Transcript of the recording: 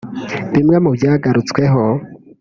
Bimwe mu byagarutsweho